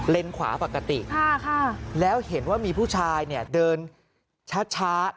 เลนขวาปกติแล้วเห็นว่ามีผู้ชายเดินช้า